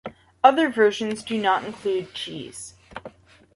Other versions do not include cheese.